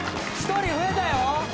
１人増えたよ！